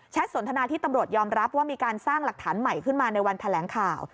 สนทนาที่ตำรวจยอมรับว่ามีการสร้างหลักฐานใหม่ขึ้นมาในวันแถลงข่าว